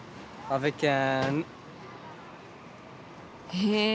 へえ。